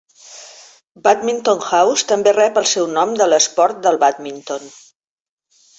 Badminton House també rep el seu nom de l"esport del bàdminton.